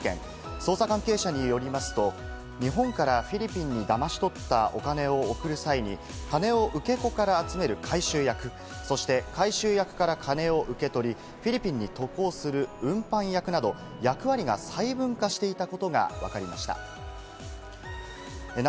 捜査関係者によりますと、日本からフィリピンにだまし取った金を送る際に、金を受け子から集める回収役、回収役から金を受け取り、フィリピンに渡航する運搬役など、役割が細分化していたことがわかりました。